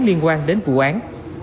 liên quan đến vụ án